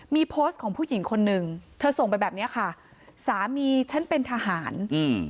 มีโพสต์ของผู้หญิงคนหนึ่งเธอส่งไปแบบเนี้ยค่ะสามีฉันเป็นทหารอืม